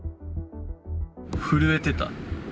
震えてた。